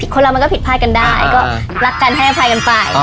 คนเรามันก็ผิดพลาดกันได้ก็รักกันให้อภัยกันไป